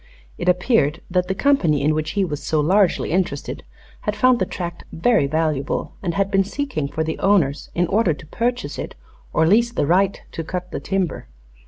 It appeared that the company in which he was so largely interested had found the tract very valuable, and had been seeking for the owners in order to purchase it or lease the right to cut the timber.